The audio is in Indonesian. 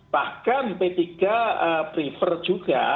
bahkan p tiga prefer juga